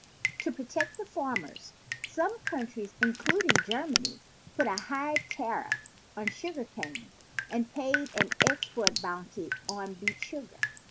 To protect the farmers, some countries, including Germany, put a high tariff on cane sugar and paid an export bounty on beet sugar.